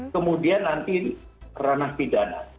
kemudian nanti ranah pidana